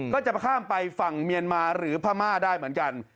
ก็จะข้ามไปฝั่งเมียนมาหรือพม่าได้เหมือนกัน